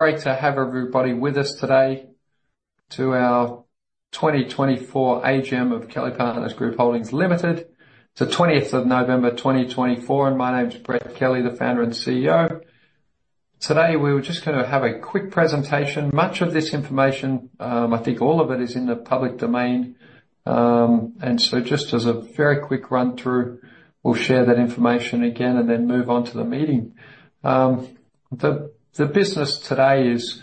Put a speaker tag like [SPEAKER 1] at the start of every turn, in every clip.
[SPEAKER 1] Great to have everybody with us today to our 2024 AGM of Kelly Partners Group Holdings Limited. It's the 20th of November, 2024, and my name's Brett Kelly, the Founder and CEO. Today we were just going to have a quick presentation. Much of this information, I think all of it is in the public domain, and so just as a very quick run-through, we'll share that information again and then move on to the meeting. The business today is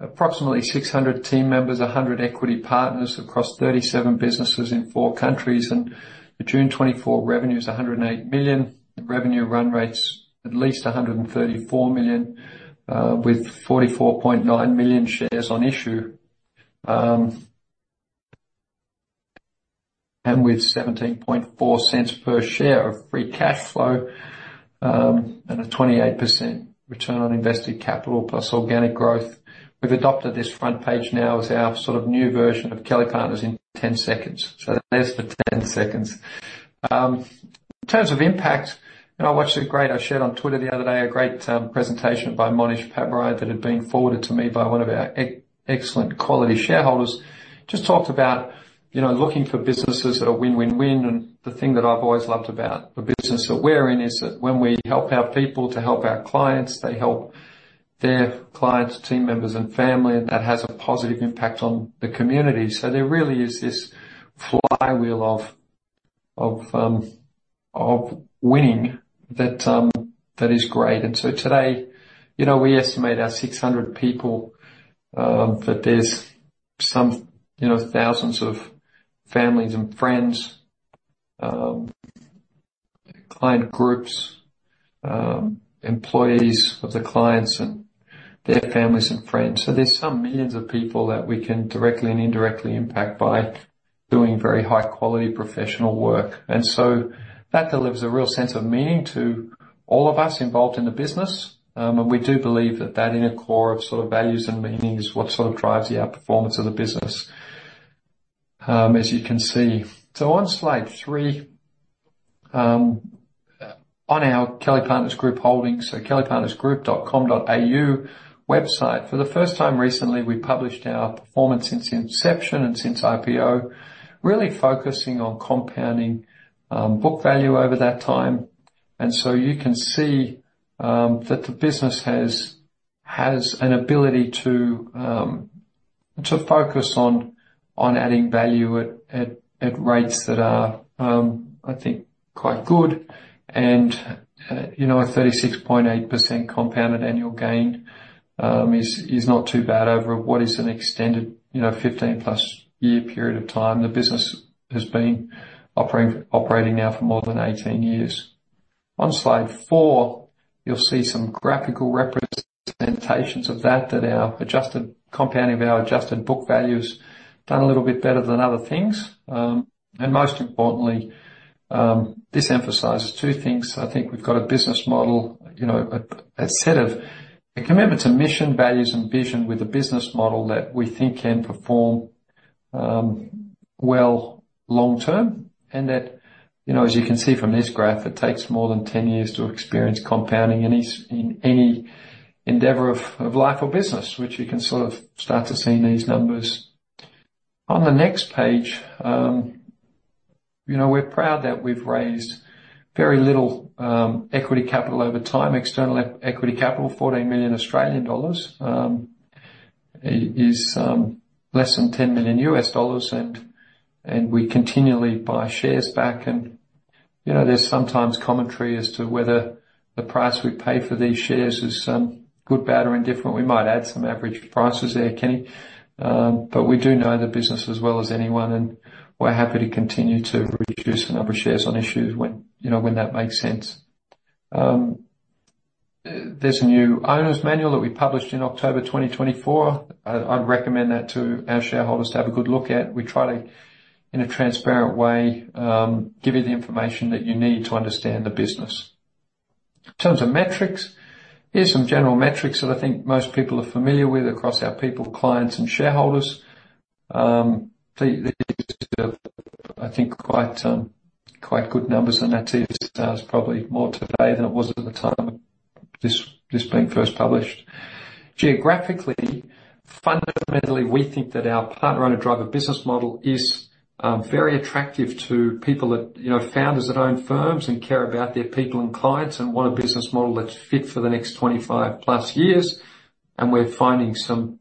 [SPEAKER 1] approximately 600 team members, 100 equity partners across 37 businesses in four countries, and the June 24 revenue is 108 million. Revenue run rate's at least 134 million, with 44.9 million shares on issue, and with 0.174 per share of free cash flow, and a 28% return on invested capital plus organic growth. We've adopted this front page now as our sort of new version of Kelly Partners in 10 seconds. So there's the 10 seconds. In terms of impact, you know, I watched a great, I shared on Twitter the other day a great presentation by Mohnish Pabrai that had been forwarded to me by one of our excellent quality shareholders, just talked about, you know, looking for businesses that are win-win-win. And the thing that I've always loved about the business that we're in is that when we help our people to help our clients, they help their clients, team members, and family, and that has a positive impact on the community. So there really is this flywheel of winning that is great. And so today, you know, we estimate our 600 people, that there's some, you know, thousands of families and friends, client groups, employees of the clients and their families and friends. So there's some millions of people that we can directly and indirectly impact by doing very high-quality professional work. And so that delivers a real sense of meaning to all of us involved in the business. And we do believe that that inner core of sort of values and meaning is what sort of drives the outperformance of the business, as you can see. So on slide three, on our Kelly Partners Group Holdings, so kellypartnersgroup.com.au website, for the first time recently, we published our performance since inception and since IPO, really focusing on compounding, book value over that time. And so you can see that the business has an ability to focus on adding value at rates that are, I think, quite good. And, you know, a 36.8% compounded annual gain is not too bad over what is an extended, you know, 15+ year period of time. The business has been operating now for more than 18 years. On slide four, you'll see some graphical representations of that our adjusted compounding of our adjusted book value's done a little bit better than other things. And most importantly, this emphasizes two things. I think we've got a business model, you know, a set of commitments and mission, values, and vision with a business model that we think can perform well long-term and that, you know, as you can see from this graph, it takes more than 10 years to experience compounding in any endeavor of life or business, which you can sort of start to see in these numbers. On the next page, you know, we're proud that we've raised very little equity capital over time. External equity capital, 14 million Australian dollars, is less than $10 million, and we continually buy shares back, and you know, there's sometimes commentary as to whether the price we pay for these shares is good, bad, or indifferent. We might add some average prices there, Kenny. But we do know the business as well as anyone, and we're happy to continue to reduce the number of shares on issues when, you know, when that makes sense. There's a new Owners' Manual that we published in October 2024. I'd recommend that to our shareholders to have a good look at. We try to, in a transparent way, give you the information that you need to understand the business. In terms of metrics, here's some general metrics that I think most people are familiar with across our people, clients, and shareholders. The I think quite good numbers on that. It's probably more today than it was at the time of this being first published. Geographically, fundamentally, we think that our Partner-Owner-Driver business model is very attractive to people that, you know, founders that own firms and care about their people and clients and want a business model that's fit for the next 25+ years, and we're finding some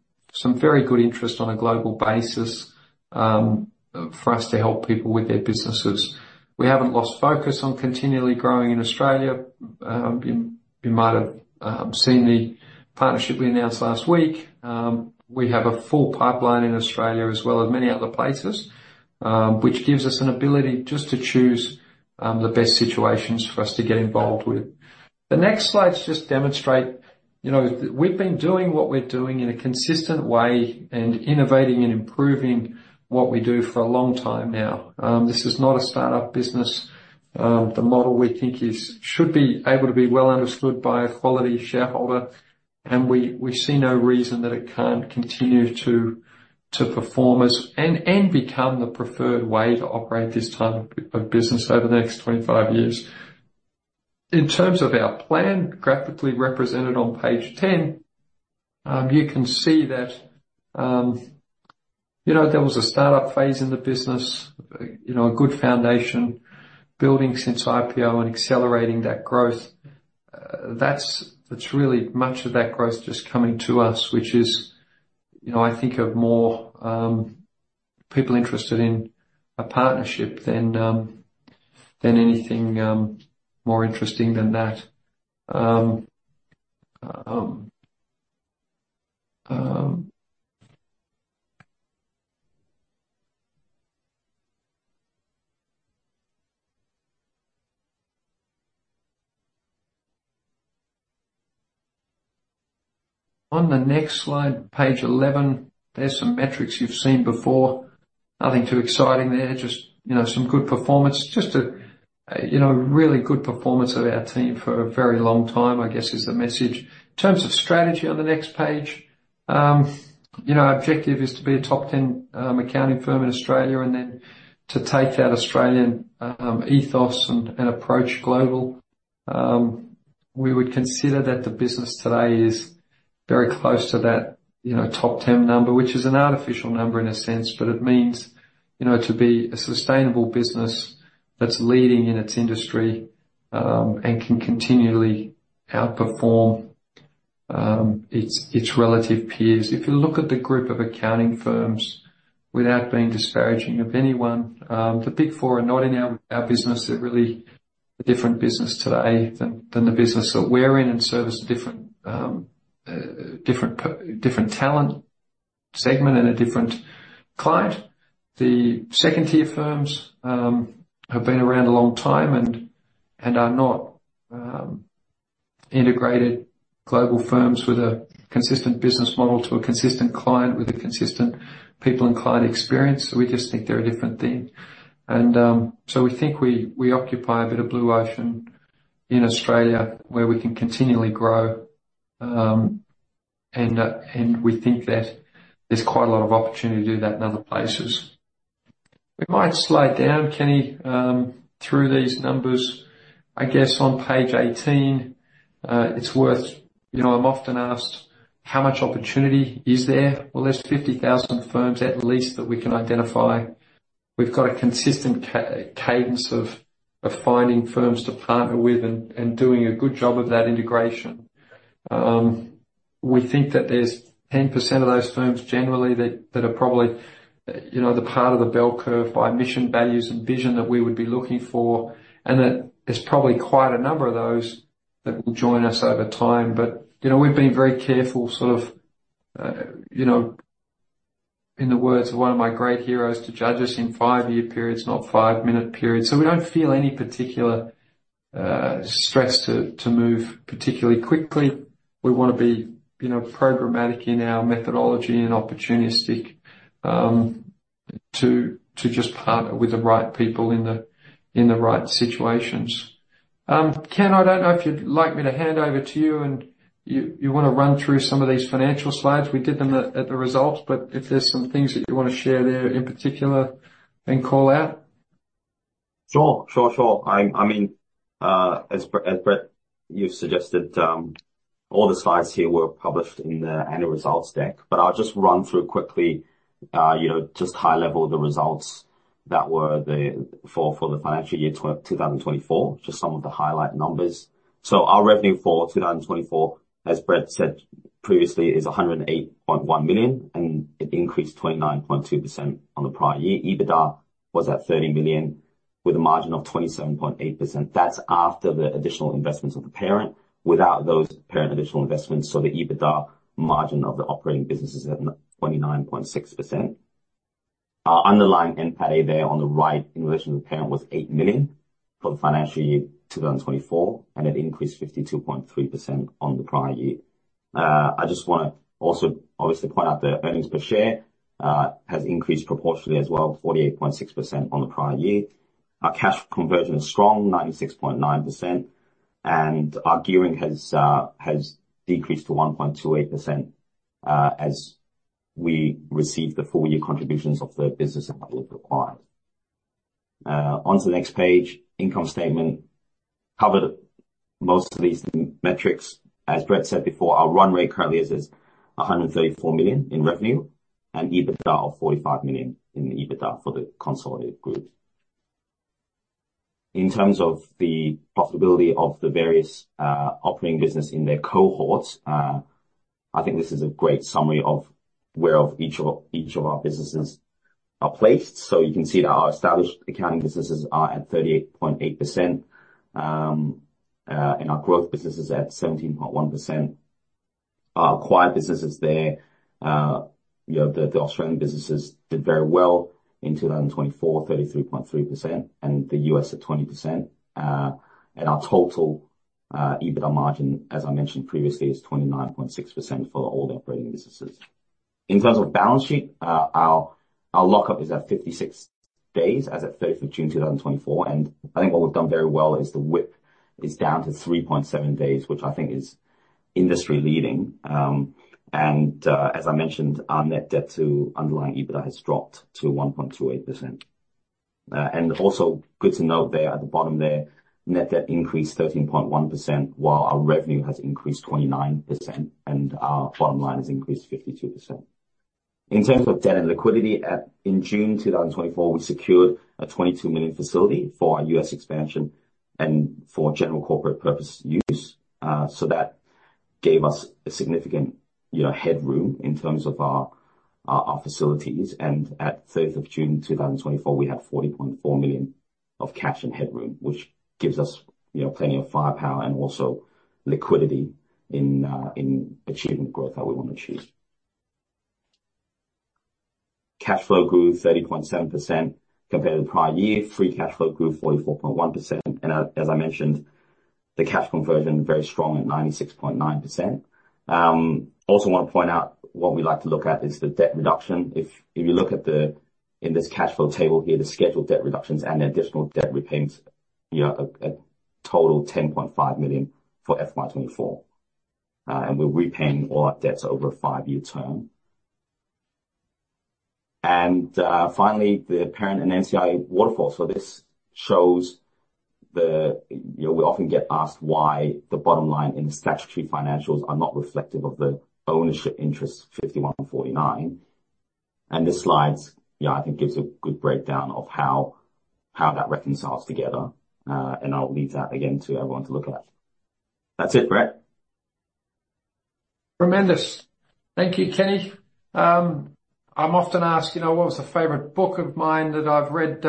[SPEAKER 1] very good interest on a global basis for us to help people with their businesses. We haven't lost focus on continually growing in Australia. You might have seen the partnership we announced last week. We have a full pipeline in Australia as well as many other places, which gives us an ability just to choose the best situations for us to get involved with. The next slides just demonstrate, you know, we've been doing what we're doing in a consistent way and innovating and improving what we do for a long time now. This is not a startup business. The model we think should be able to be well understood by a quality shareholder, and we see no reason that it can't continue to perform as and become the preferred way to operate this type of business over the next 25 years. In terms of our plan graphically represented on page 10, you can see that, you know, there was a startup phase in the business, you know, a good foundation building since IPO and accelerating that growth. That's really much of that growth just coming to us, which is, you know, I think more people interested in a partnership than anything more interesting than that. On the next slide, page 11, there's some metrics you've seen before. Nothing too exciting there, just, you know, some good performance, just a, you know, really good performance of our team for a very long time, I guess, is the message. In terms of strategy on the next page, you know, our objective is to be a top 10 accounting firm in Australia and then to take that Australian ethos and approach global. We would consider that the business today is very close to that, you know, top 10 number, which is an artificial number in a sense, but it means, you know, to be a sustainable business that's leading in its industry, and can continually outperform its relative peers. If you look at the group of accounting firms without being disparaging of anyone, the Big Four are not in our business. They're really a different business today than the business that we're in and service a different talent segment and a different client. The second-tier firms have been around a long time and are not integrated global firms with a consistent business model to a consistent client with a consistent people and client experience. So we just think they're a different thing. So we think we occupy a bit of blue ocean in Australia where we can continually grow, and we think that there's quite a lot of opportunity to do that in other places. We might slide down, Kenny, through these numbers. I guess on page 18, it's worth, you know, I'm often asked how much opportunity is there. Well, there's 50,000 firms at least that we can identify. We've got a consistent cadence of finding firms to partner with and doing a good job of that integration. We think that there's 10% of those firms generally that are probably, you know, the part of the bell curve by mission, values, and vision that we would be looking for, and that there's probably quite a number of those that will join us over time. You know, we've been very careful sort of, you know, in the words of one of my great heroes, to judge us in five-year periods, not five-minute periods. We don't feel any particular stress to move particularly quickly. We want to be, you know, programmatic in our methodology and opportunistic to just partner with the right people in the right situations. Ken, I don't know if you'd like me to hand over to you, and you want to run through some of these financial slides? We did them at the results, but if there's some things that you want to share there in particular and call out.
[SPEAKER 2] Sure, sure, sure. I mean, as Brett you've suggested, all the slides here were published in the annual results deck, but I'll just run through quickly, you know, just high-level the results that were for the financial year 2024, just some of the highlight numbers. Our revenue for 2024, as Brett said previously, is 108.1 million, and it increased 29.2% on the prior year. EBITDA was at 30 million with a margin of 27.8%. That's after the additional investments of the parent. Without those parent additional investments, so the EBITDA margin of the operating business is at 29.6%. Our underlying NPATA there on the right in relation to the parent was 8 million for the financial year 2024, and it increased 52.3% on the prior year. I just want to also obviously point out the earnings per share has increased proportionately as well, 48.6% on the prior year. Our cash conversion is strong, 96.9%, and our gearing has decreased to 1.28%, as we received the full year contributions of the business and what was required. Onto the next page, income statement covered most of these metrics. As Brett said before, our run rate currently is 134 million in revenue and EBITDA of 45 million in the EBITDA for the consolidated group. In terms of the profitability of the various operating business in their cohorts, I think this is a great summary of where each of our businesses are placed. So you can see that our established accounting businesses are at 38.8%, and our growth businesses at 17.1%. Our acquired businesses there, you know, the Australian businesses did very well in 2024, 33.3%, and the U.S. at 20%. Our total EBITDA margin, as I mentioned previously, is 29.6% for all the operating businesses. In terms of balance sheet, our lockup is at 56 days as of 30th of June 2024. I think what we've done very well is the WIP is down to 3.7 days, which I think is industry leading. As I mentioned, our net debt to underlying EBITDA has dropped to 1.28%. Also good to note there at the bottom there, net debt increased 13.1% while our revenue has increased 29% and our bottom line has increased 52%. In terms of debt and liquidity, in June 2024, we secured a 22 million facility for our U.S. expansion and for general corporate purpose use. So that gave us a significant, you know, headroom in terms of our facilities. And at 30th of June 2024, we had 40.4 million of cash and headroom, which gives us, you know, plenty of firepower and also liquidity in achieving the growth that we want to achieve. Cash flow grew 30.7% compared to the prior year. Free cash flow grew 44.1%. And as I mentioned, the cash conversion very strong at 96.9%. Also want to point out what we like to look at is the debt reduction. If you look at the in this cash flow table here, the scheduled debt reductions and additional debt repayments, you know, a total of 10.5 million for FY 2024. And we're repaying all our debts over a five-year term. And, finally, the parent and NCI waterfall. So this shows the, you know, we often get asked why the bottom line in the Statutory Financials are not reflective of the ownership interest 51/49. And this slide, yeah, I think gives a good breakdown of how that reconciles together. And I'll leave that again to everyone to look at. That's it, Brett.
[SPEAKER 1] Tremendous. Thank you, Kenny. I'm often asked, you know, what was the favorite book of mine that I've read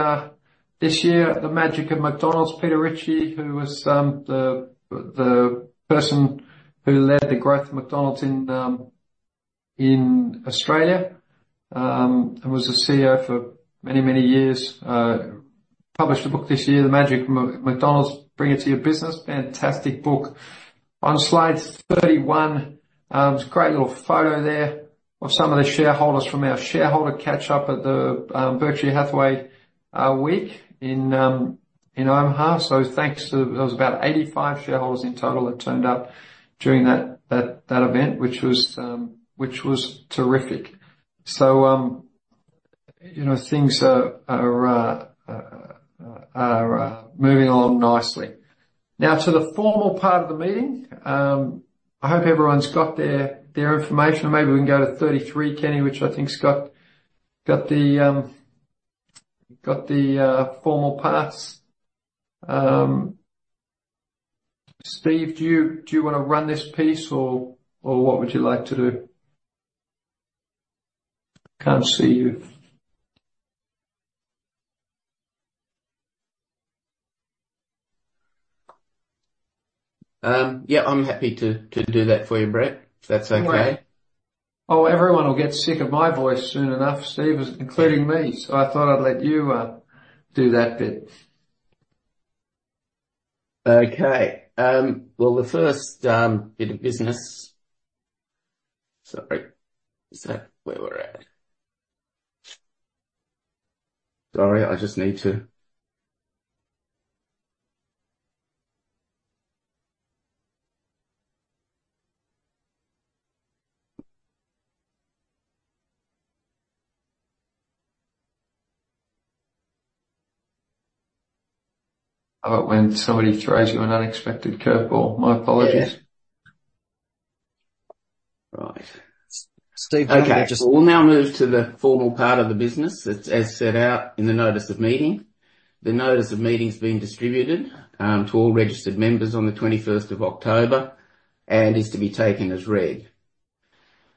[SPEAKER 1] this year, The Magic of McDonald's. Peter Ritchie, who was the person who led the growth of McDonald's in Australia, and was the CEO for many, many years, published a book this year, The Magic of McDonald's, Bring It to Your Business, fantastic book. On slide 31, it's a great little photo there of some of the shareholders from our shareholder catch-up at the Berkshire Hathaway week in Omaha. So thanks to, there was about 85 shareholders in total that turned up during that event, which was terrific. So, you know, things are moving along nicely. Now to the formal part of the meeting, I hope everyone's got their information. Maybe we can go to 33, Kenny, which I think's got the formal parts. Steve, do you want to run this piece or what would you like to do? Can't see you.
[SPEAKER 3] Yeah, I'm happy to do that for you, Brett, if that's okay.
[SPEAKER 1] Oh, everyone will get sick of my voice soon enough, Steve, including me. So I thought I'd let you, do that bit.
[SPEAKER 3] Okay. Well, the first bit of business, sorry, is that where we're at? Sorry, I just need to.
[SPEAKER 1] Oh, when somebody throws you an unexpected curveball, my apologies.
[SPEAKER 3] Right.
[SPEAKER 1] Steve, we'll now move to the formal part of the business. It's as set out in the notice of meeting. The notice of meeting's been distributed to all registered members on the 21st of October and is to be taken as read.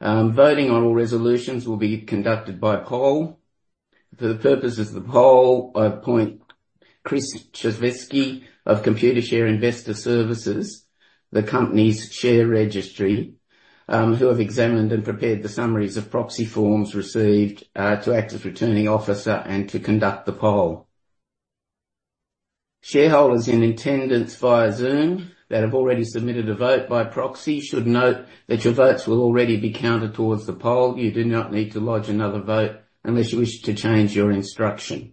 [SPEAKER 1] Voting on all resolutions will be conducted by poll. For the purposes of the poll, I appoint Chris Czerwinski of Computershare Investor Services, the company's share registry, who have examined and prepared the summaries of proxy forms received, to act as returning officer and to conduct the poll. Shareholders in attendance via Zoom that have already submitted a vote by proxy should note that your votes will already be counted towards the poll. You do not need to lodge another vote unless you wish to change your instruction.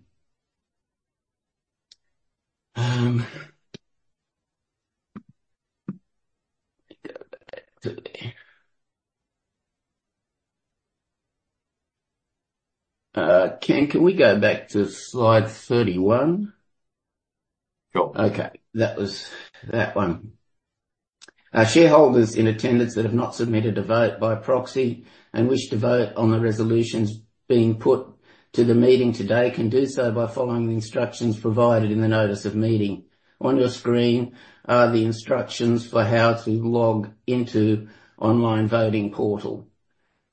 [SPEAKER 1] Ken, can we go back to slide 31?
[SPEAKER 2] Sure.
[SPEAKER 3] Okay. That was that one. Shareholders in attendance that have not submitted a vote by proxy and wish to vote on the resolutions being put to the meeting today can do so by following the instructions provided in the notice of meeting. On your screen are the instructions for how to log into online voting portal.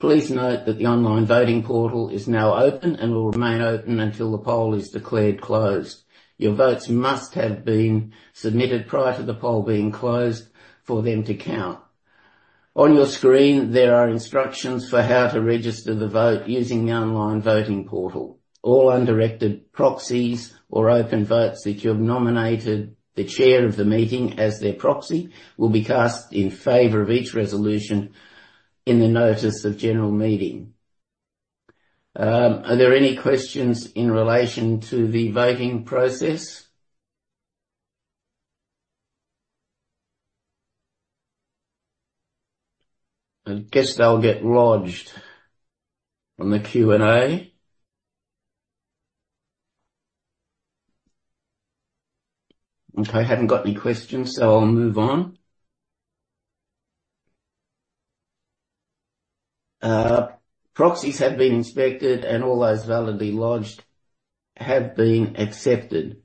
[SPEAKER 3] Please note that the online voting portal is now open and will remain open until the poll is declared closed. Your votes must have been submitted prior to the poll being closed for them to count. On your screen, there are instructions for how to register the vote using the online voting portal. All undirected proxies or open votes that you have nominated the chair of the meeting as their proxy will be cast in favor of each resolution in the notice of general meeting. Are there any questions in relation to the voting process? I guess they'll get lodged on the Q&A. Okay, I haven't got any questions, so I'll move on. Proxies have been inspected and all those validly lodged have been accepted.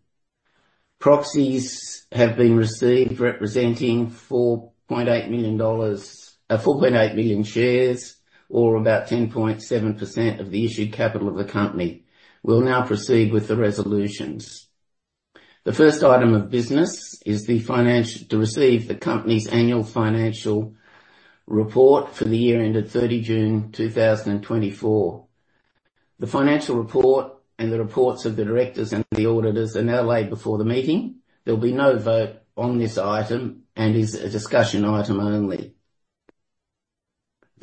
[SPEAKER 3] Proxies have been received representing 4.8 million dollars, 4.8 million shares or about 10.7% of the issued capital of the company. We'll now proceed with the resolutions. The first item of business is the financial to receive the company's annual financial report for the year ended 30 June 2024. The financial report and the reports of the directors and the auditors are now laid before the meeting. There'll be no vote on this item and is a discussion item only.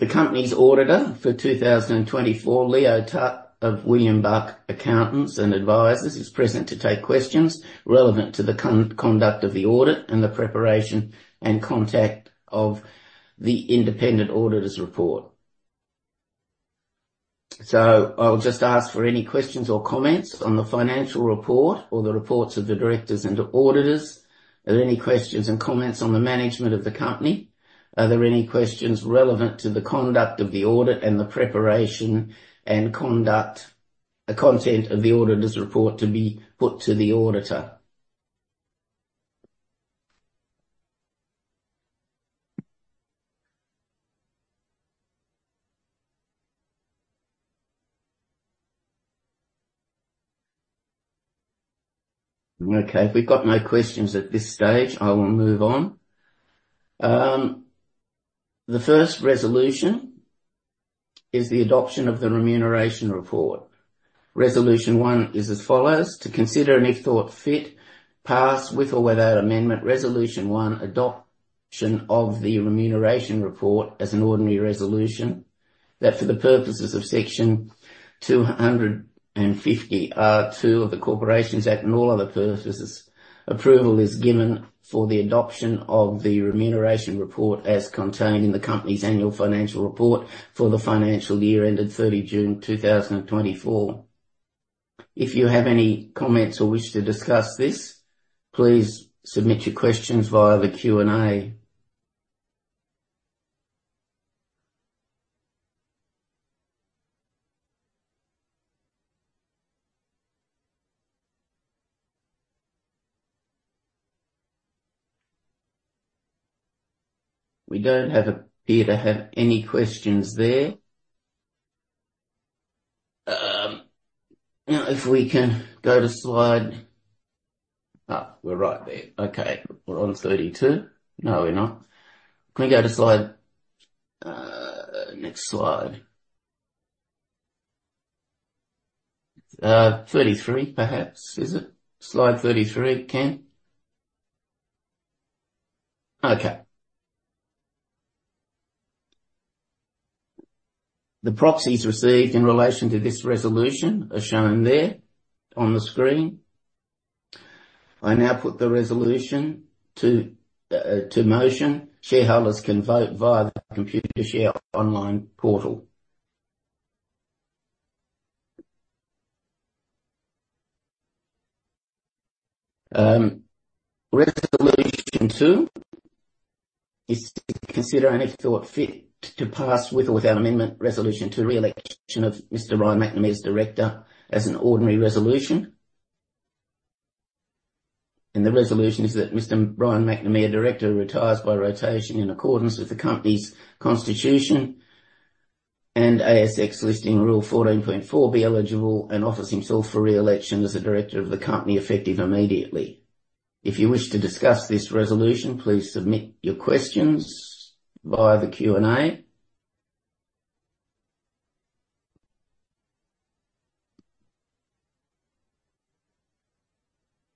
[SPEAKER 3] The company's auditor for 2024, Leo Tutt of William Buck Accountants and Advisors, is present to take questions relevant to the conduct of the audit and the preparation and content of the independent auditor's report. So I'll just ask for any questions or comments on the financial report or the reports of the directors and auditors. Are there any questions and comments on the management of the company? Are there any questions relevant to the conduct of the audit and the preparation and content of the auditor's report to be put to the auditor? Okay, if we've got no questions at this stage, I will move on. The first resolution is the adoption of the remuneration report. Resolution one is as follows: to consider and, if thought fit, pass with or without amendment, Resolution one, adoption of the remuneration report as an ordinary resolution that, for the purposes of section 250(2) of the Corporations Act and all other purposes, approval is given for the adoption of the remuneration report as contained in the company's annual financial report for the financial year ended 30 June 2024. If you have any comments or wish to discuss this, please submit your questions via the Q&A. We don't appear to have any questions there. If we can go to slide, we're right there. Okay, we're on 32. No, we're not. Can we go to slide, next slide? 33 perhaps, is it? Slide 33, Ken? Okay. The proxies received in relation to this resolution are shown there on the screen. I now put the resolution to motion. Shareholders can vote via the Computershare online portal. Resolution two is to consider and, if thought fit, to pass with or without amendment, the resolution to reelection of Mr. Ryan Macnamee as a director as an ordinary resolution. The resolution is that Mr. Ryan Macnamee, who is a director, retires by rotation in accordance with the company's constitution and ASX listing rule 14.4, being eligible and offers himself for reelection as a director of the company effective immediately. If you wish to discuss this resolution, please submit your questions via the Q&A.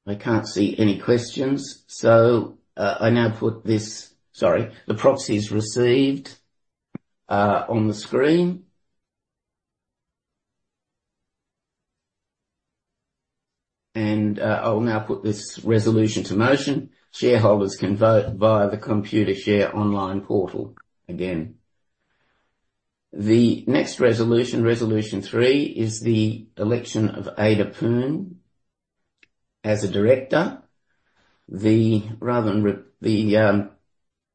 [SPEAKER 3] I can't see any questions, so I now put this, sorry, the proxies received, on the screen. I'll now put this resolution to motion. Shareholders can vote via the Computershare online portal again. The next resolution, resolution three, is the election of Ada Poon as a director. The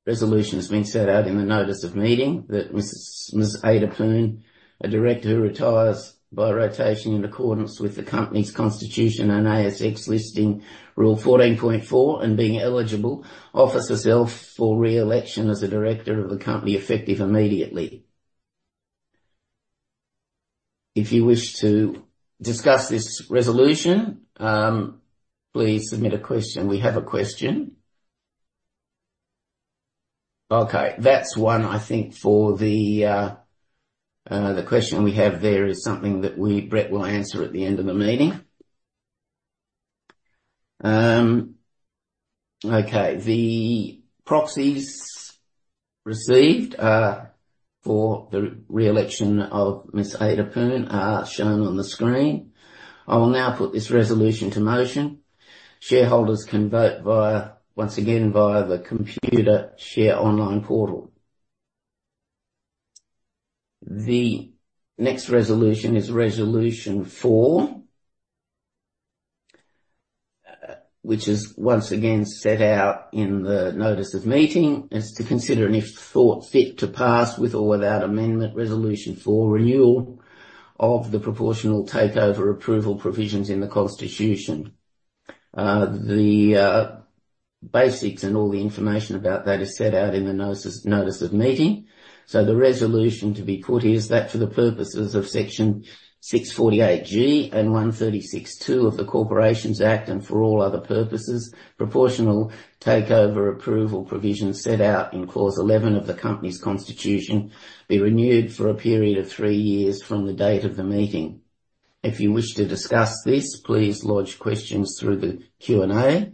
[SPEAKER 3] resolution has been set out in the notice of meeting that Ms. Ada Poon, a director who retires by rotation in accordance with the company's constitution and ASX listing rule 14.4 and being eligible, offers herself for reelection as a director of the company effective immediately. If you wish to discuss this resolution, please submit a question. We have a question. Okay, that's one, I think, for the question we have there is something that we, Brett, will answer at the end of the meeting. Okay, the proxies received for the reelection of Ms. Ada Poon are shown on the screen. I will now put this resolution to motion. Shareholders can vote via, once again, via the Computershare online portal. The next resolution is resolution four, which is once again set out in the notice of meeting, is to consider and, if thought fit, to pass with or without amendment, resolution for renewal of the proportional takeover approval provisions in the constitution. The basics and all the information about that is set out in the notice of meeting, so the resolution to be put is that for the purposes of section 648G and 136(2) of the Corporations Act and for all other purposes, proportional takeover approval provisions set out in clause 11 of the company's constitution be renewed for a period of three years from the date of the meeting. If you wish to discuss this, please lodge questions through the Q&A.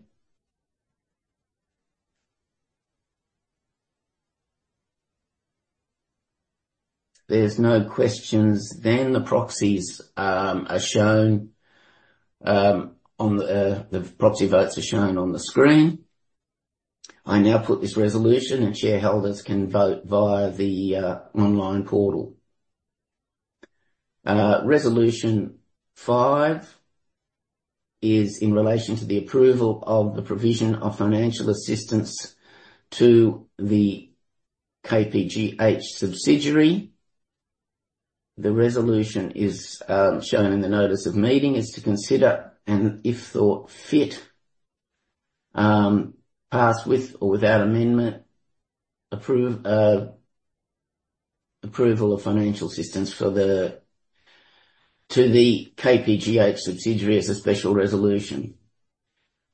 [SPEAKER 3] There's no questions then. The proxy votes are shown on the screen. I now put this resolution and shareholders can vote via the online portal. Resolution five is in relation to the approval of the provision of financial assistance to the KPGH subsidiary. The resolution, as shown in the notice of meeting, is to consider and, if thought fit, pass with or without amendment the approval of financial assistance to the KPGH subsidiary as a special resolution.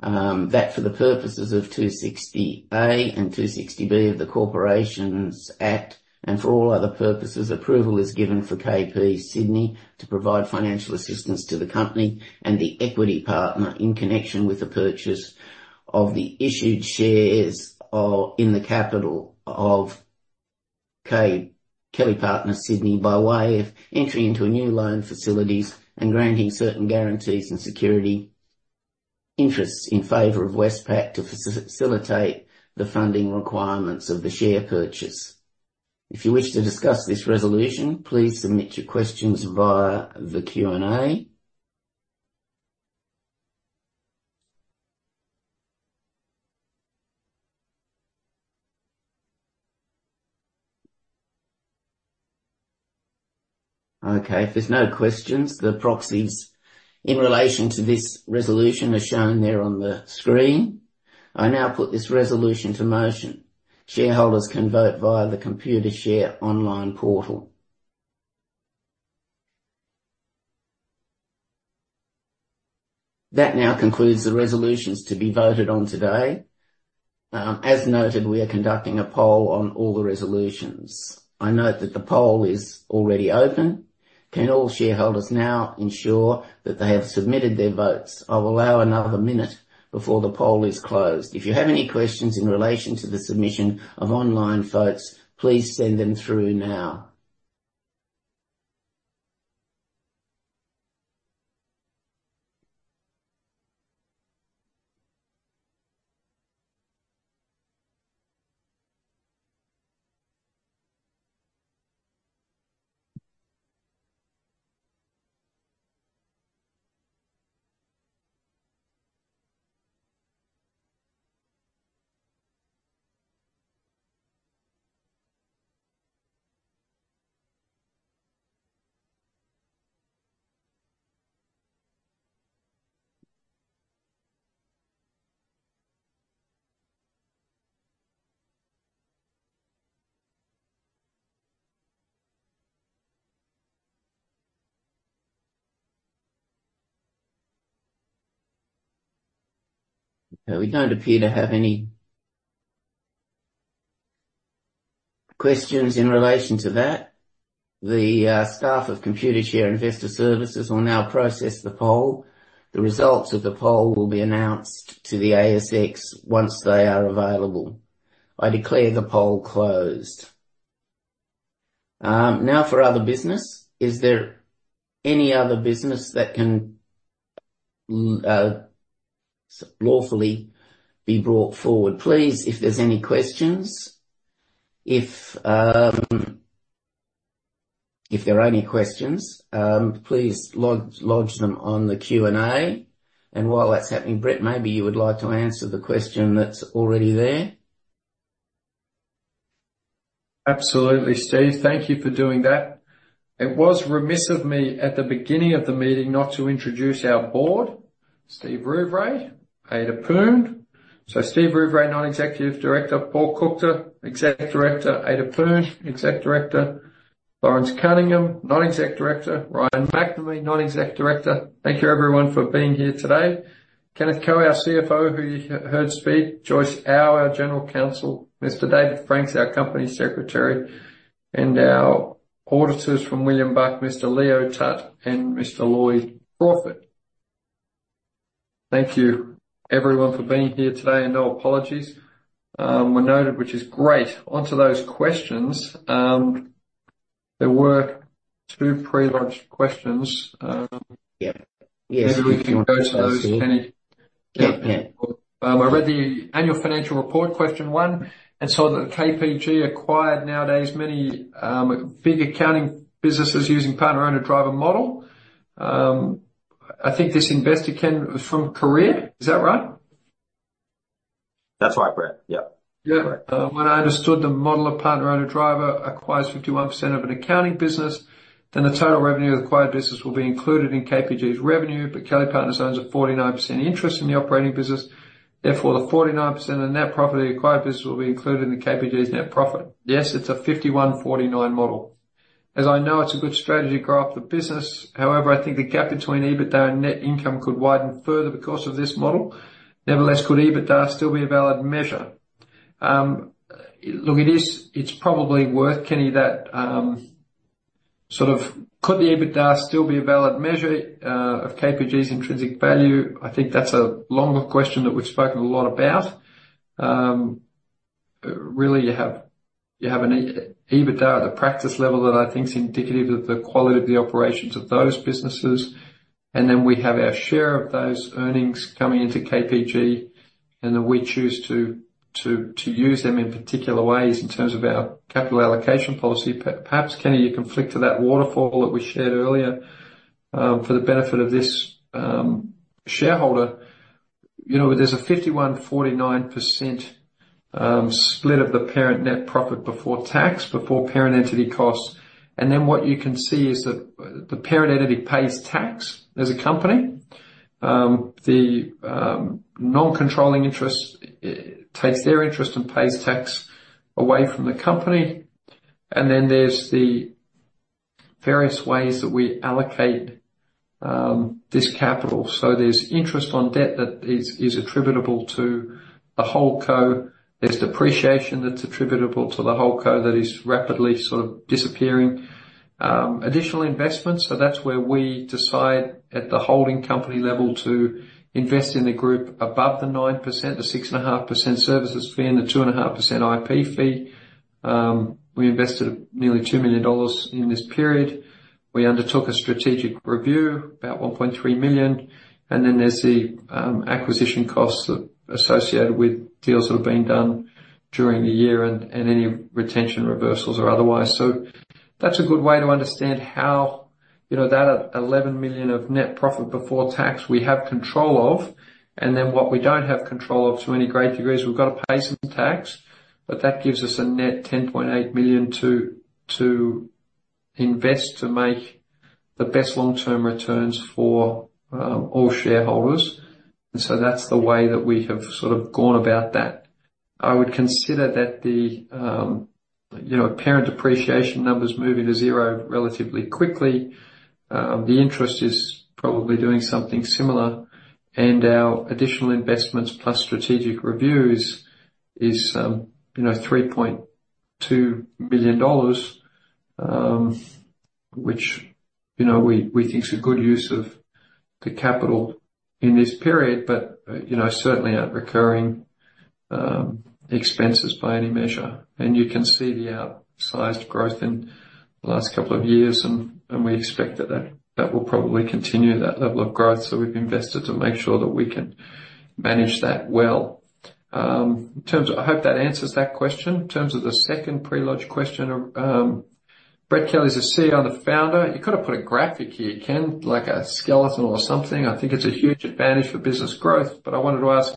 [SPEAKER 3] That, for the purposes of 260A and 260B of the Corporations Act and for all other purposes, approval is given for KP Sydney to provide financial assistance to the company and the equity partner in connection with the purchase of the issued shares in the capital of Kelly Partners Sydney by way of entry into a new loan facilities and granting certain guarantees and security interests in favor of Westpac to facilitate the funding requirements of the share purchase. If you wish to discuss this resolution, please submit your questions via the Q&A. Okay, if there's no questions, the proxies in relation to this resolution are shown there on the screen. I now put this resolution to motion. Shareholders can vote via the Computershare online portal. That now concludes the resolutions to be voted on today. As noted, we are conducting a poll on all the resolutions. I note that the poll is already open. Can all shareholders now ensure that they have submitted their votes? I'll allow another minute before the poll is closed. If you have any questions in relation to the submission of online votes, please send them through now. Okay, we don't appear to have any questions in relation to that. The staff of Computershare Investor Services will now process the poll. The results of the poll will be announced to the ASX once they are available. I declare the poll closed. Now for other business, is there any other business that can lawfully be brought forward? Please, if there are any questions, please lodge them on the Q&A. And while that's happening, Brett, maybe you would like to answer the question that's already there.
[SPEAKER 1] Absolutely, Steve. Thank you for doing that. It was remiss of me at the beginning of the meeting not to introduce our board, Steve Rouvray, Ada Poon, so Steve Rouvray, non-executive director, Paul Kuchta, exec director, Ada Poon, exec director, Lawrence Cunningham, non-exec director, Ryan Macnamee, non-exec director. Thank you everyone for being here today. Kenneth Ko, our CFO, who you heard speak, Joyce Au, our general counsel, Mr. David Franks, our company secretary, and our auditors from William Buck, Mr. Leo Tutt and Mr. Lloyd Moffat. Thank you, everyone, for being here today, and no apologies were noted, which is great. Onto those questions. There were two pre-lodged questions. Maybe we can go to those, Kenny.
[SPEAKER 2] Yeah, yeah.
[SPEAKER 1] I read the annual financial report, question one, and saw that the KPG acquired nowadays many big accounting businesses using Partner-Owner-Driver model. I think this investor came from Korea. Is that right?
[SPEAKER 2] That's right, Brett. Yep.
[SPEAKER 1] Yeah. When I understood the model of Partner-Owner-Driver acquires 51% of an accounting business, then the total revenue of the acquired business will be included in KPG's revenue. But Kelly Partners owns a 49% interest in the operating business. Therefore, the 49% in that particular acquired business will be included in the KPG's net profit. Yes, it's a 51-49 model. As I know, it's a good strategy to grow up the business. However, I think the gap between EBITDA and net income could widen further because of this model. Nevertheless, could EBITDA still be a valid measure? Look, it is. It's probably worth, Kenny, that sort of could the EBITDA still be a valid measure of KPG's intrinsic value? I think that's a longer question that we've spoken a lot about. Really, you have an EBITDA at the practice level that I think is indicative of the quality of the operations of those businesses. And then we have our share of those earnings coming into KPG, and then we choose to use them in particular ways in terms of our capital allocation policy. Perhaps, Kenny, you can refer to that waterfall that we shared earlier, for the benefit of this shareholder. You know, there's a 51%-49% split of the parent net profit before tax, before parent entity costs. And then what you can see is that the parent entity pays tax as a company. The non-controlling interest takes their interest and pays tax away from the company. Then there's the various ways that we allocate this capital. So there's interest on debt that is attributable to the HoldCo. There's depreciation that's attributable to the HoldCo that is rapidly sort of disappearing. Additional investments. So that's where we decide at the holding company level to invest in the group above the 9%, the 6.5% services fee and the 2.5% IP fee. We invested nearly 2 million dollars in this period. We undertook a strategic review, about 1.3 million. And then there's the acquisition costs associated with deals that have been done during the year and any retention reversals or otherwise. So that's a good way to understand how, you know, that 11 million of net profit before tax we have control of. And then what we don't have control of to any great degree is we've got to pay some tax, but that gives us a net 10.8 million to invest to make the best long-term returns for all shareholders. And so that's the way that we have sort of gone about that. I would consider that the, you know, parent depreciation numbers moving to zero relatively quickly. The interest is probably doing something similar. And our additional investments plus strategic reviews is, you know, 3.2 million dollars, which, you know, we think is a good use of the capital in this period, but, you know, certainly aren't recurring expenses by any measure. And you can see the outsized growth in the last couple of years. We expect that that will probably continue that level of growth. So we've invested to make sure that we can manage that well. In terms of, I hope that answers that question. In terms of the second pre-lodged question, Brett Kelly's a CEO and a founder. You could have put a graphic here, Ken, like a skeleton or something. I think it's a huge advantage for business growth, but I wanted to ask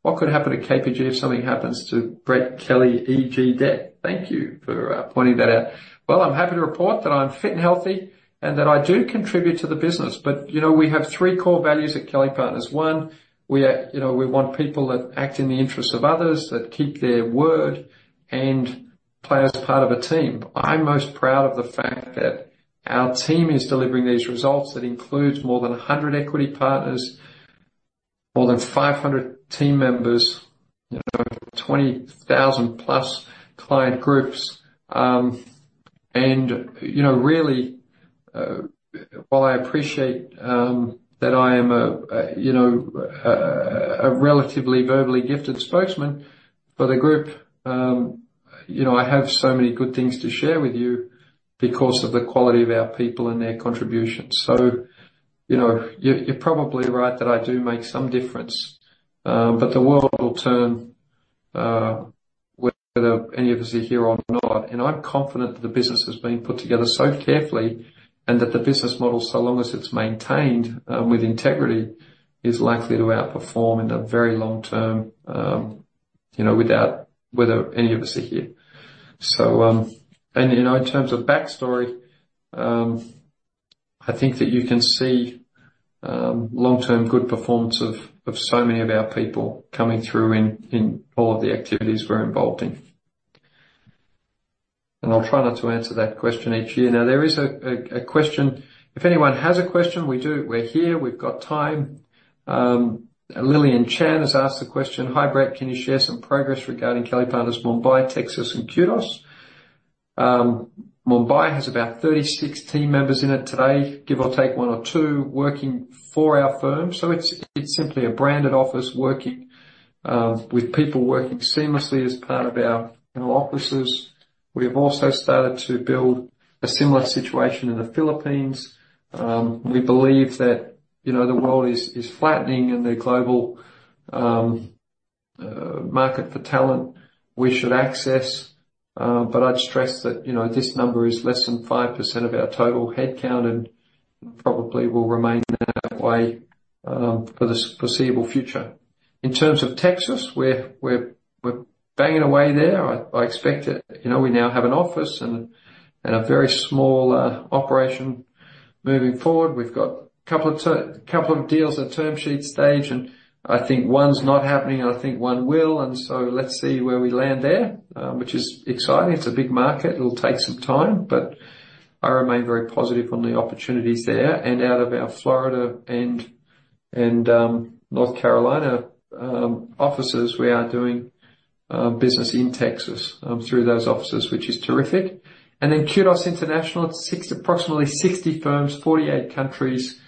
[SPEAKER 1] what could happen to KPG if something happens to Brett Kelly, e.g., death? Thank you for pointing that out. I'm happy to report that I'm fit and healthy and that I do contribute to the business. You know, we have three core values at Kelly Partners. One, you know, we want people that act in the interests of others, that keep their word and play as part of a team. I'm most proud of the fact that our team is delivering these results that includes more than 100 equity partners, more than 500 team members, you know, 20,000+ client groups. And, you know, really, while I appreciate that I am a, you know, a relatively verbally gifted spokesman for the group, you know, I have so many good things to share with you because of the quality of our people and their contributions. So, you know, you're probably right that I do make some difference. The world will turn, whether any of us are here or not. I'm confident that the business has been put together so carefully and that the business model, so long as it's maintained with integrity, is likely to outperform in the very long term, you know, without whether any of us are here. You know, in terms of backstory, I think that you can see long-term good performance of so many of our people coming through in all of the activities we're involved in. And I'll try not to answer that question each year. Now, there is a question. If anyone has a question, we do, we're here, we've got time. Lillian Chan has asked the question, "Hi Brett, can you share some progress regarding Kelly Partners Mumbai, Texas and Kudos?" Mumbai has about 36 team members in it today, give or take one or two working for our firm. It's simply a branded office working with people working seamlessly as part of our offices. We have also started to build a similar situation in the Philippines. We believe that, you know, the world is flattening and the global market for talent we should access. But I'd stress that, you know, this number is less than 5% of our total headcount and probably will remain that way for the foreseeable future. In terms of Texas, we're banging away there. I expect that, you know, we now have an office and a very small operation moving forward. We've got a couple of deals at term sheet stage and I think one's not happening and I think one will. And so let's see where we land there, which is exciting. It's a big market. It'll take some time, but I remain very positive on the opportunities there. And out of our Florida and North Carolina offices, we are doing business in Texas through those offices, which is terrific. Then Kudos International, it's approximately 60 firms, 48 countries.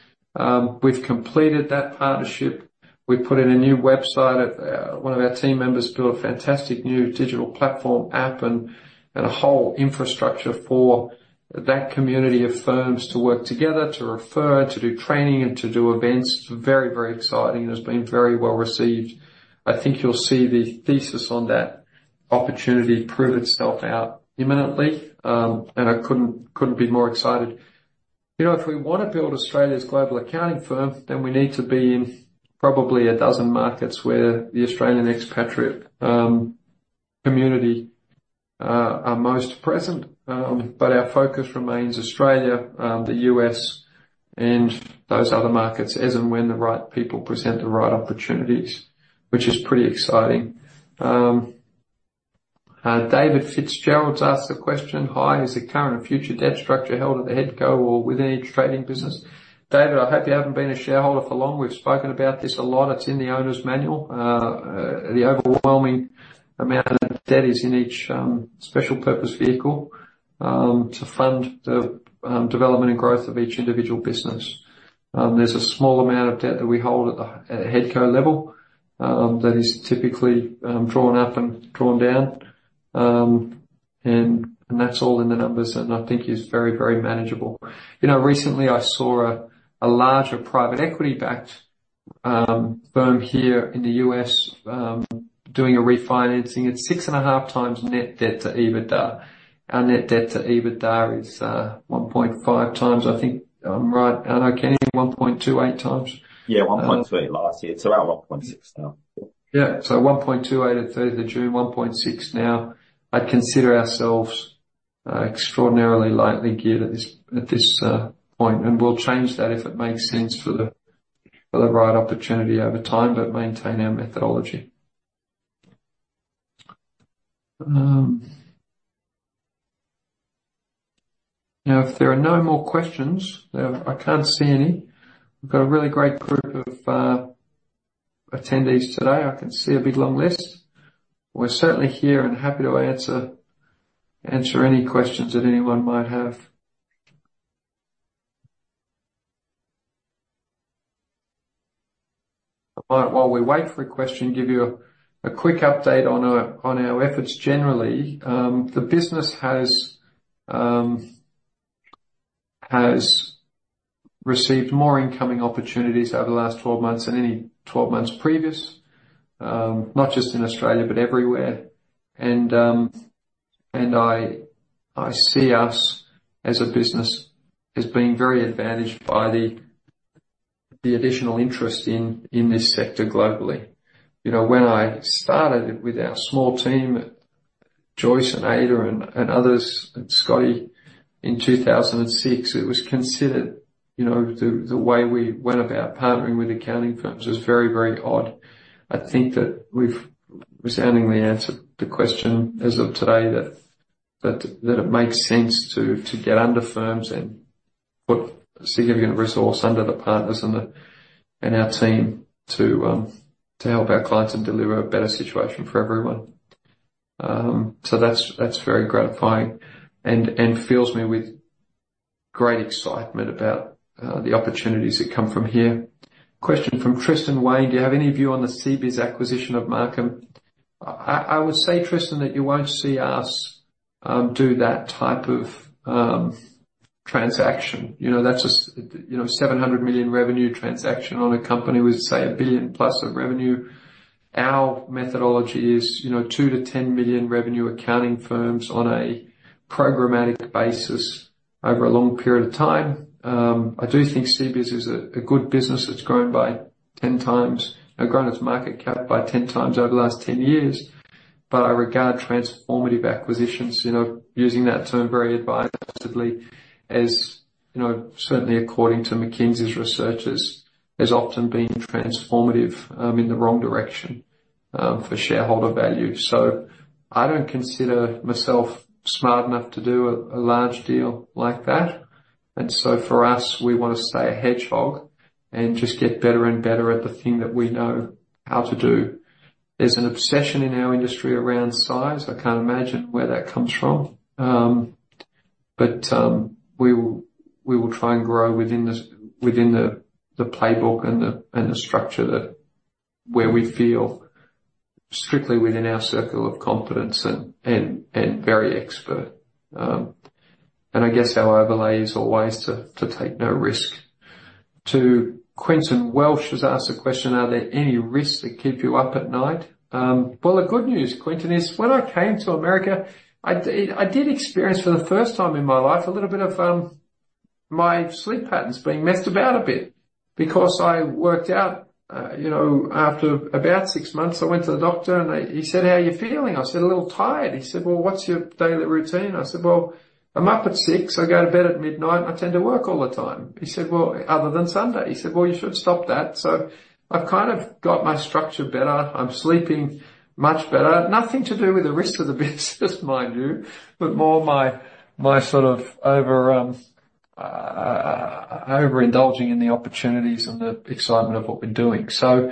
[SPEAKER 1] We've completed that partnership. We've put in a new website at, one of our team members built a fantastic new digital platform app and a whole infrastructure for that community of firms to work together, to refer, to do training and to do events. Very, very exciting and has been very well received. I think you'll see the thesis on that opportunity prove itself out imminently. And I couldn't be more excited. You know, if we wanna build Australia's global accounting firm, then we need to be in probably a dozen markets where the Australian expatriate community are most present. But our focus remains Australia, the U.S. and those other markets as and when the right people present the right opportunities, which is pretty exciting. David Fitzgerald's asked the question, "Hi, is the current and future debt structure held at the Headco or within each trading business?" David, I hope you haven't been a shareholder for long. We've spoken about this a lot. It's in the owner's manual. The overwhelming amount of debt is in each special purpose vehicle to fund the development and growth of each individual business. There's a small amount of debt that we hold at the Headco level, that is typically drawn up and drawn down. And that's all in the numbers and I think is very, very manageable. You know, recently I saw a larger private equity backed firm here in the U.S., doing a refinancing. It's six and a half times net debt to EBITDA. Our net debt to EBITDA is 1.5 times, I think I'm right. I know, Kenny, 1.28 times.
[SPEAKER 2] Yeah, 1.28 last year. It's about 1.6 now.
[SPEAKER 1] Yeah. So 1.28 at 30th of June, 1.6 now. I'd consider ourselves extraordinarily lightly geared at this point. And we'll change that if it makes sense for the right opportunity over time, but maintain our methodology. Now if there are no more questions, I can't see any. We've got a really great group of attendees today. I can see a big long list. We're certainly here and happy to answer any questions that anyone might have. I might, while we wait for a question, give you a quick update on our efforts generally. The business has received more incoming opportunities over the last 12 months than any 12 months previous, not just in Australia, but everywhere. I see us as a business as being very advantaged by the additional interest in this sector globally. You know, when I started it with our small team, Joyce and Ada and others and Scotty in 2006, it was considered, you know, the way we went about partnering with accounting firms was very odd. I think that we've resoundingly answered the question as of today that it makes sense to get under firms and put a significant resource under the partners and our team to help our clients and deliver a better situation for everyone. So that's very gratifying and fills me with great excitement about the opportunities that come from here. Question from Tristan Wayne. Do you have any view on the CBIZ acquisition of Marcum? I would say, Tristan, that you won't see us do that type of transaction. You know, that's a you know, $700 million revenue transaction on a company with, say, a billion plus of revenue. Our methodology is, you know, $2 million-$10 million revenue accounting firms on a programmatic basis over a long period of time. I do think CBIZ is a good business that's grown by 10 times, grown its market cap by 10 times over the last 10 years. But I regard transformative acquisitions, you know, using that term very advisedly, as, you know, certainly according to McKinsey's researchers, has often been transformative, in the wrong direction, for shareholder value. So I don't consider myself smart enough to do a large deal like that. And so for us, we wanna stay a hedgehog and just get better and better at the thing that we know how to do. There's an obsession in our industry around size. I can't imagine where that comes from. But we will try and grow within the playbook and the structure that where we feel strictly within our circle of competence and very expert. And I guess our overlay is always to take no risk. Quinton Welsh has asked the question, "Are there any risks that keep you up at night?" well, the good news, Quinton, is when I came to America, I, I did experience for the first time in my life a little bit of, my sleep patterns being messed about a bit because I worked out, you know, after about six months, I went to the doctor and I, he said, "How are you feeling?" I said, "A little tired." He said, "Well, what's your daily routine?" I said, "Well, I'm up at six. I go to bed at midnight and I tend to work all the time." He said, "Well, other than Sunday." He said, "Well, you should stop that." So I've kind of got my structure better. I'm sleeping much better. Nothing to do with the rest of the business, mind you, but more my sort of overindulging in the opportunities and the excitement of what we're doing, so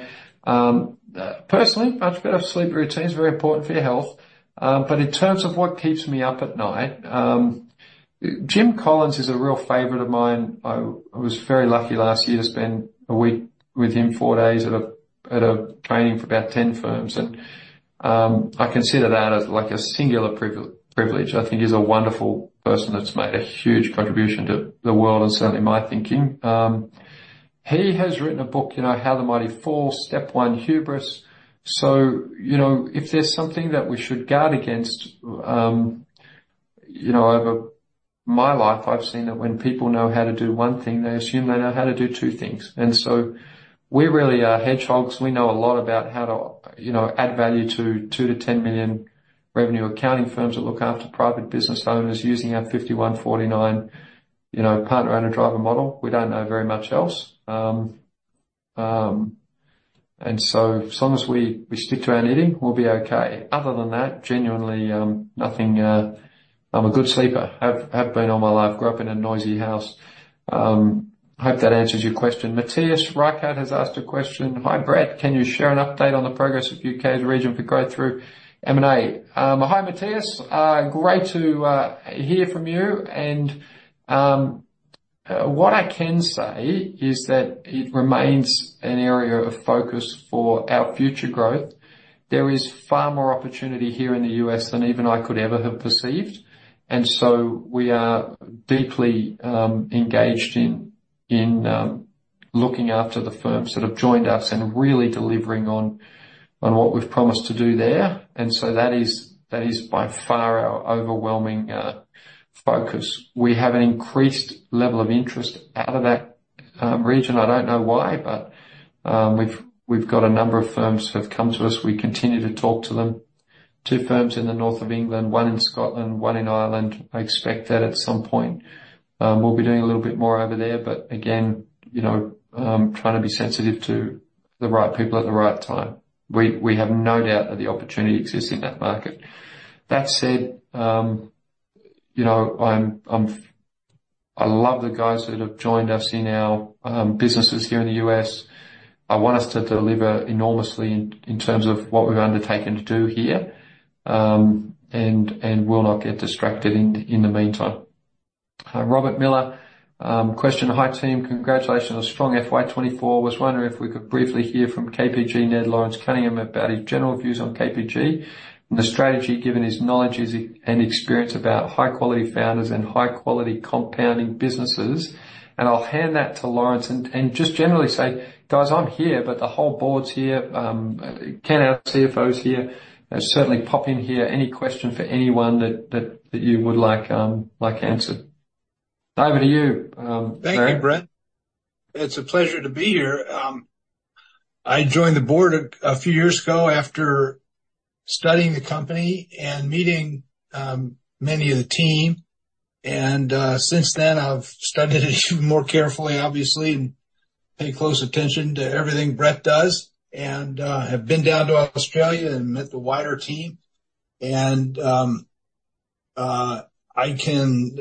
[SPEAKER 1] personally, much better sleep routine is very important for your health, but in terms of what keeps me up at night, Jim Collins is a real favorite of mine. I was very lucky last year to spend a week with him, four days at a training for about 10 firms, and I consider that as like a singular privilege. I think he's a wonderful person that's made a huge contribution to the world and certainly my thinking. He has written a book, you know, "How the Mighty Fall, Step One Hubris." So, you know, if there's something that we should guard against, you know, over my life, I've seen that when people know how to do one thing, they assume they know how to do two things. And so we really are hedgehogs. We know a lot about how to, you know, add value to two to 10 million revenue accounting firms that look after private business owners using our 51-49, you know, Partner-Owner-Driver model. We don't know very much else. And so as long as we stick to our knitting, we'll be okay. Other than that, genuinely, nothing. I'm a good sleeper. I've been all my life, grew up in a noisy house. Hope that answers your question. Matthias Reichardt has asked a question. Hi Brett, can you share an update on the progress of U.K.'s region for growth through M&A?" Hi, Matthias. Great to hear from you. And what I can say is that it remains an area of focus for our future growth. There is far more opportunity here in the U.S. than even I could ever have perceived. And so we are deeply engaged in looking after the firms that have joined us and really delivering on what we've promised to do there. And so that is by far our overwhelming focus. We have an increased level of interest out of that region. I don't know why, but we've got a number of firms who have come to us. We continue to talk to them. Two firms in the North of England, one in Scotland, one in Ireland. I expect that at some point, we'll be doing a little bit more over there. But again, you know, trying to be sensitive to the right people at the right time. We have no doubt that the opportunity exists in that market. That said, you know, I love the guys that have joined us in our businesses here in the U.S. I want us to deliver enormously in terms of what we've undertaken to do here, and we'll not get distracted in the meantime. Robert Miller, question: "Hi team, congratulations on strong FY 2024." Was wondering if we could briefly hear from KPG NED Lawrence Cunningham about his general views on KPG and the strategy given his knowledge and experience about high quality founders and high quality compounding businesses. And I'll hand that to Lawrence and just generally say, "Guys, I'm here, but the whole board's here." Ken, our CFO, is here. Certainly pop in here. Any question for anyone that you would like answered. David, are you?
[SPEAKER 2] Thank you, Brett. It's a pleasure to be here. I joined the board a few years ago after studying the company and meeting many of the team. Since then I've studied it even more carefully, obviously, and paid close attention to everything Brett does. I have been down to Australia and met the wider team. I can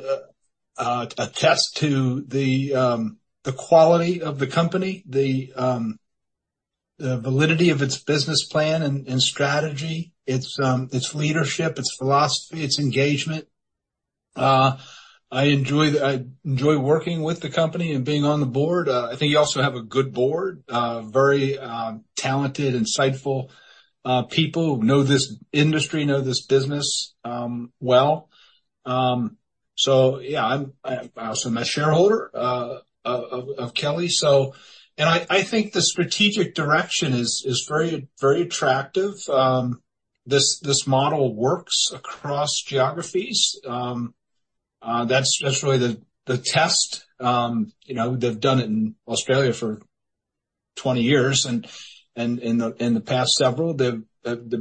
[SPEAKER 2] attest to the quality of the company, the validity of its business plan and strategy, its leadership, its philosophy, its engagement. I enjoy working with the company and being on the board. I think you also have a good board, very talented, insightful people who know this industry, know this business well. Yeah, I'm also a shareholder of Kelly. I think the strategic direction is very attractive. This model works across geographies. That's really the test. You know, they've done it in Australia for 20 years and in the past several they've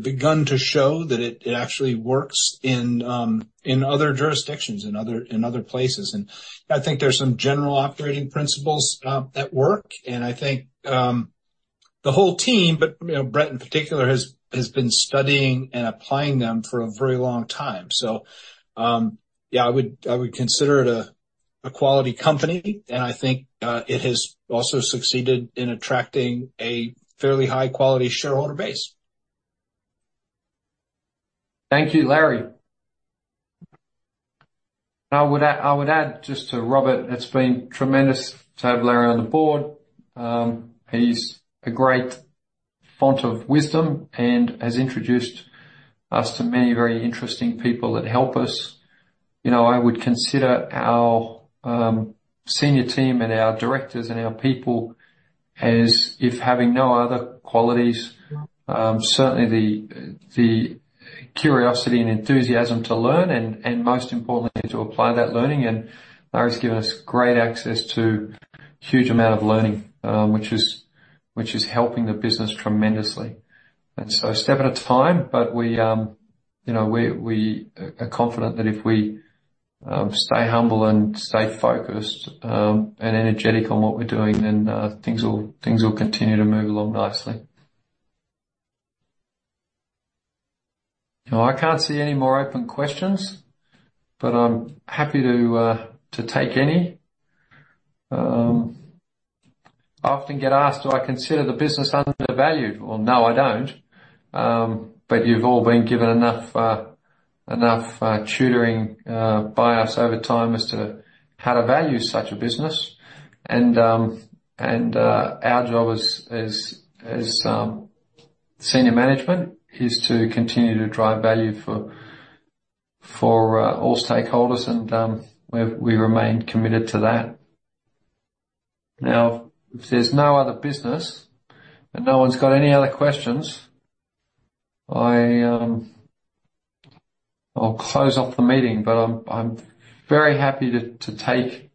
[SPEAKER 2] begun to show that it actually works in other jurisdictions, in other places. I think there's some general operating principles that work. I think the whole team, but you know, Brett in particular has been studying and applying them for a very long time. Yeah, I would consider it a quality company. And I think it has also succeeded in attracting a fairly high quality shareholder base.
[SPEAKER 1] Thank you, Larry. I would add, I would add just to Robert, it's been tremendous to have Larry on the board. He's a great fount of wisdom and has introduced us to many very interesting people that help us. You know, I would consider our senior team and our directors and our people as if having no other qualities, certainly the curiosity and enthusiasm to learn and most importantly to apply that learning. And Larry's given us great access to a huge amount of learning, which is helping the business tremendously. And so step at a time, but we, you know, we are confident that if we stay humble and stay focused and energetic on what we're doing, then things will continue to move along nicely. No, I can't see any more open questions, but I'm happy to take any. I often get asked, do I consider the business undervalued? Well, no, I don't, but you've all been given enough tutoring by us over time as to how to value such a business, and our job as senior management is to continue to drive value for all stakeholders, and we remain committed to that. Now, if there's no other business and no one's got any other questions, I'll close off the meeting, but I'm very happy to take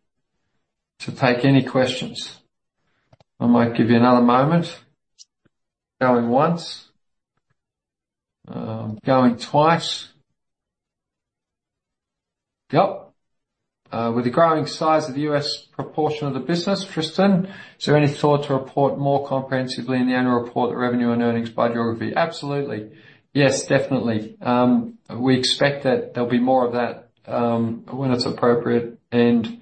[SPEAKER 1] any questions. I might give you another moment. Going once, going twice. Yep. With the growing size of the U.S. proportion of the business, Tristan, is there any thought to report more comprehensively in the annual report the revenue and earnings by geography? Absolutely. Yes, definitely. We expect that there'll be more of that, when it's appropriate. And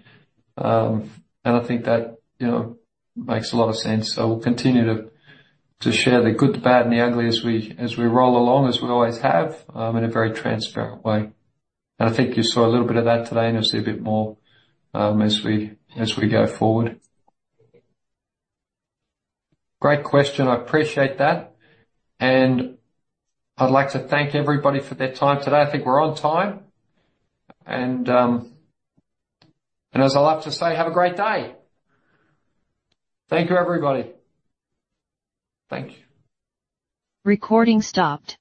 [SPEAKER 1] I think that, you know, makes a lot of sense. So we'll continue to share the good, the bad, and the ugly as we roll along, as we always have, in a very transparent way. And I think you saw a little bit of that today and you'll see a bit more, as we go forward. Great question. I appreciate that. And I'd like to thank everybody for their time today. I think we're on time. And as I love to say, have a great day. Thank you, everybody. Thank you. Recording stopped.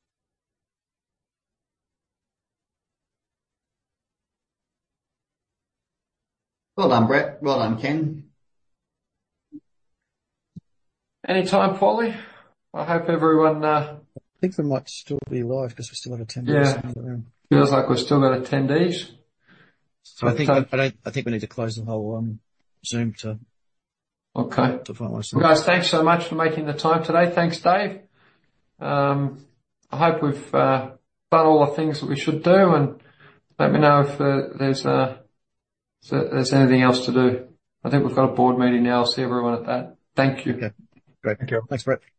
[SPEAKER 1] Well done, Brett. Well done, Ken. Any time, Paulie? I hope everyone.
[SPEAKER 3] I think we might still be live because we still have attendees in the room.
[SPEAKER 1] Yeah. Feels like we've still got attendees.
[SPEAKER 3] So I think we need to close the whole Zoom too.
[SPEAKER 1] Okay. To find myself. Well, guys, thanks so much for making the time today. Thanks, Steve. I hope we've done all the things that we should do and let me know if there's anything else to do. I think we've got a board meeting now. I'll see everyone at that. Thank you.
[SPEAKER 2] Okay. Great. Thank you.
[SPEAKER 3] Thanks, Brett. Bye.